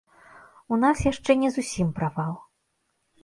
У нас яшчэ не зусім правал.